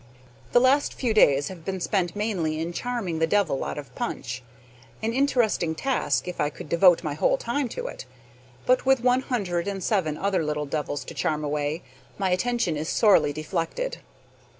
The last few days have been spent mainly in charming the devil out of Punch, an interesting task if I could devote my whole time to it. But with one hundred and seven other little devils to charm away, my attention is sorely deflected.